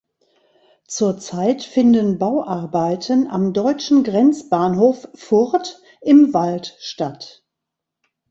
Zurzeit finden Bauarbeiten am deutschen Grenzbahnhof Furth im Wald statt.